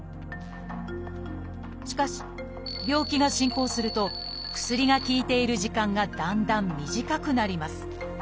しかし病気が進行すると薬が効いている時間がだんだん短くなります。